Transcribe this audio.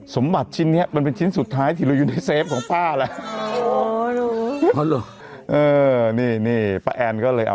สมบัติชิ้นนี้มันเป็นชิ้นสุดท้ายที่เราอยู่ในเฟฟของป้าแหละ